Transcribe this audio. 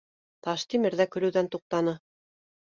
Таштимер ҙә көлөүҙән туҡтаны